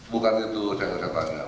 bukan itu saya tanya